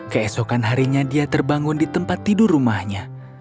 keesokan harinya dia terbangun di tempat tidur rumahnya